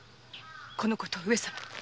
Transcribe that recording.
このこと上様に！